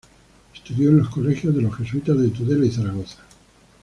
Estudió en los colegios de los Jesuitas de Tudela y Zaragoza.